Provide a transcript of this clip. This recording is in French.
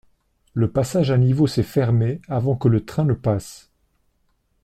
Le passage à niveau s’est fermé avant que le train ne passe.